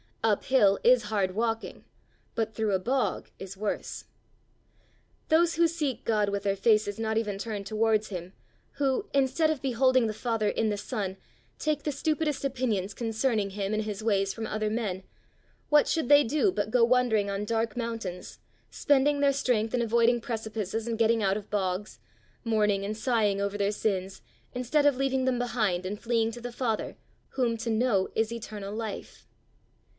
Up hill is hard walking, but through a bog is worse. Those who seek God with their faces not even turned towards him, who, instead of beholding the Father in the Son, take the stupidest opinions concerning him and his ways from other men what should they do but go wandering on dark mountains, spending their strength in avoiding precipices and getting out of bogs, mourning and sighing over their sins instead of leaving them behind and fleeing to the Father, whom to know is eternal life.